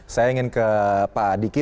saya ingin ke pak adiki